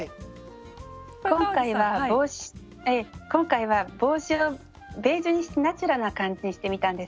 今回は帽子をベージュにしてナチュラルな感じにしてみたんです。